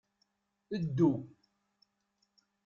Ddu!